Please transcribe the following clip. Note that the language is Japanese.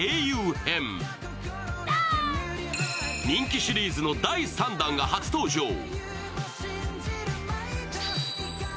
人気シリーズの第３弾が初登場。